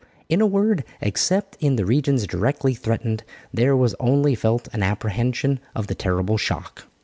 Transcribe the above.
In a word, except in the regions directly threatened, there was only felt an apprehension of the terrible shock.